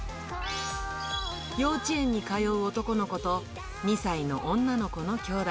幼稚園に通う男の子と、２歳の女の子の兄妹。